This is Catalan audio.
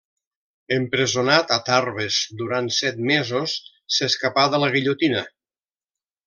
Empresonat a Tarbes durant set mesos, s'escapà de la guillotina.